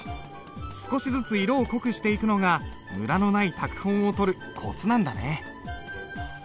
少しずつ色を濃くしていくのがムラのない拓本をとるコツなんだね。